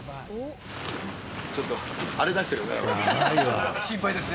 ちょっと、荒れだしてるね。